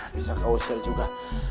bisa kau usir juga